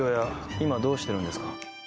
今どうしてるんですか？